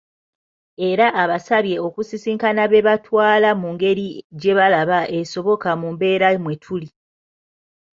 Era abasabye okusisinkana be batwala mu ngeri gye balaba esoboka mu mbeera mwetuli.